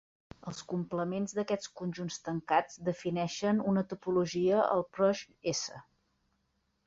Els complements d'aquests conjunts tancats defineixen una topologia al Proj "S".